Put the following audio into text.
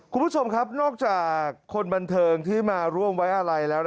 คุณผู้ชมครับนอกจากคนบันเทิงที่มาร่วมไว้อะไรแล้ว